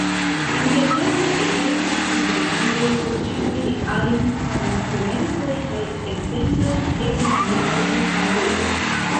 Intertempe ekestis komponaĵoj por ĉiuj ajn instrumentoj kaj ensembloj, ekde piano ĝis bandego.